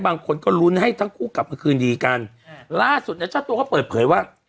บางคนก็ลุ้นให้ทั้งคู่กลับมาคืนดีกันล่าสุดเนี่ยเจ้าตัวก็เปิดเผยว่า